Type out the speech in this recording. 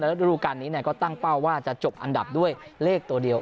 ฤดูการนี้ก็ตั้งเป้าว่าจะจบอันดับด้วยเลขตัวเดียว